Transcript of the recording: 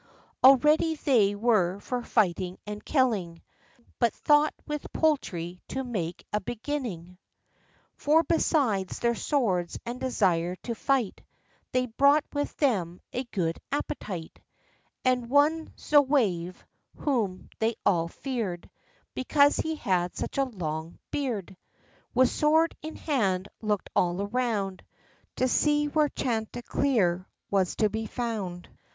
All ready they were for fighting and killing, But thought with poultry to make a beginning; 70 THE LIFE AND ADVENTURES For , besides their swords and desire to fight, They'd brought with them a good appetite ; And one Zouave, whom they all feared, Because he had such a long beard, With sword in hand, looked all around, To see where Chanticleer was to be found.